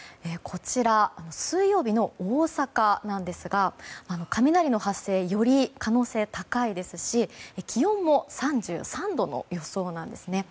水曜日の大阪なんですが雷の発生、より可能性高いですし気温も３３度の予想なんですね。